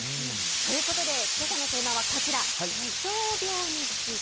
ということで、けさのテーマはこちら、気象病について。